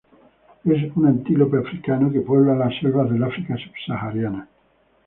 Es un antílope africano que puebla las selvas del África subsahariana.